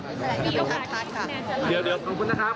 เดี๋ยวขอบคุณครับ